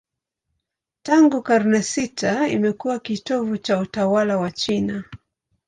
Tangu karne sita imekuwa kitovu cha utawala wa China.